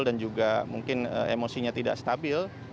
dan juga mungkin emosinya tidak stabil